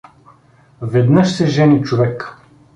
Веднаж се жени човек!